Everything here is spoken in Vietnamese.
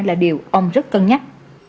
là điều ông rất cân nhắc